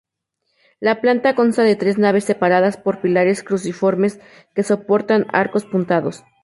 La planta consta de tres naves separadas por pilares cruciformes que soportan arcos apuntados.